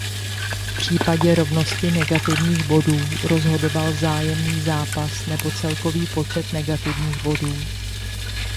V případě rovnosti negativních bodů rozhodoval vzájemný zápas nebo celkový počet negativních bodů.